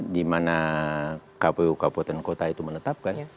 dimana kpu kapuatan kota itu menetapkan